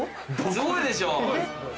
すごいでしょ。